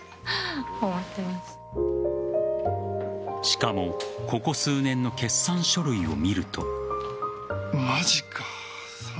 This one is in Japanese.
しかもここ数年の決算書類を見ると。